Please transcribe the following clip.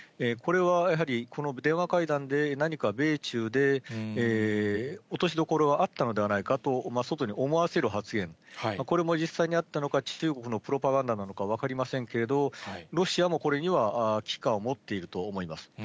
これはやはり、この電話会談で、何か米中で落としどころがあったのではないかと、外に思わせる発言、これも実際にあったのか、中国のプロパガンダなのか分かりませんけれど、ロシアもこれには危機感を持っていると思います。